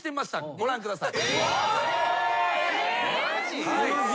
ご覧ください。